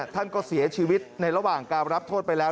ท่านก็เสียชีวิตในระหว่างการรับโทษไปแล้ว